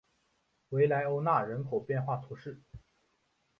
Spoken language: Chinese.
维莱欧讷人口变化图示